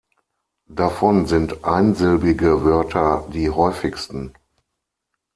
Davon sind einsilbige Wörter die häufigsten.